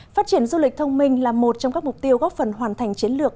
phát triển du lịch thông minh là một trong các mục tiêu góp phần hoàn thành chiến lược